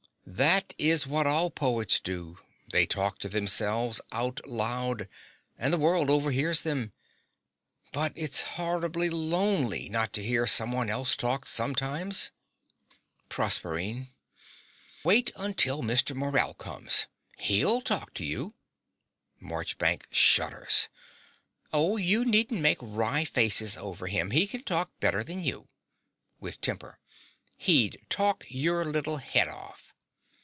That is what all poets do: they talk to themselves out loud; and the world overhears them. But it's horribly lonely not to hear someone else talk sometimes. PROSERPINE. Wait until Mr. Morell comes. HE'LL talk to you. (Marchbanks shudders.) Oh, you needn't make wry faces over him: he can talk better than you. (With temper.) He'd talk your little head off.